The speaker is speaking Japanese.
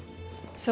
そう。